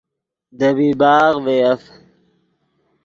دے بیباغ ڤے یف